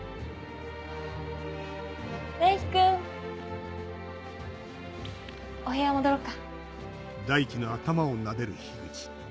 ・大樹君・お部屋戻ろうか。